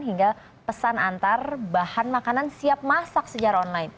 hingga pesan antar bahan makanan siap masak secara online